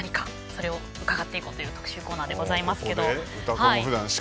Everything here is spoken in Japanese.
それを伺っていこうという特集コーナーですが。